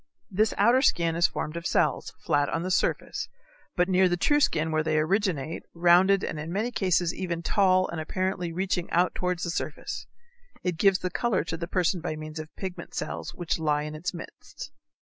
This outer skin is formed of cells, flat on the surface, but near the true skin where they originate, rounded and in many cases even tall and apparently reaching out towards the surface. It gives the color to the person by means of pigment cells which lie in its midst.